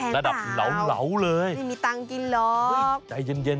แพงป่าวไม่มีตังค์กินหรอกระดับเหลาเลย